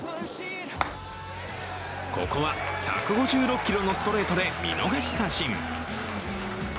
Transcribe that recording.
ここは１５６キロのストレートで見逃し三振。